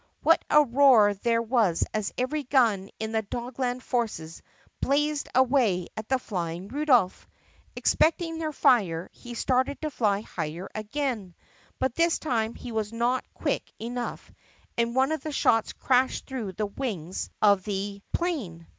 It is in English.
What a roar there was as every gun in the Dogland forces blazed away at the flying Rudolph! Expecting their fire he started to fly higher again, but this time he was not quick enough and one of the shots crashed through the wings of the 122 THE PUSSYCAT PRINCESS 'plane.